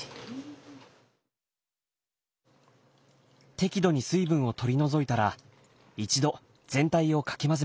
適度に水分を取り除いたら一度全体をかき混ぜます。